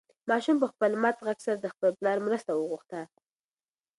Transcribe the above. ماشوم په خپل مات غږ سره د خپل پلار مرسته وغوښته.